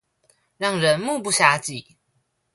讓人目不暇給